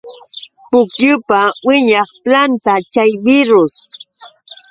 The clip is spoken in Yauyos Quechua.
Pukyupa wiñaq planta chay birrus.